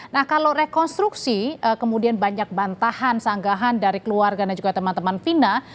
nah kalau rekonstruksi kemudian banyak bantahan sanggahan dari keluarga dan juga teman teman vina